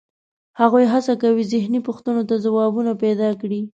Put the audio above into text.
هغوی هڅه کوي ذهني پوښتنو ته ځوابونه پیدا کړي.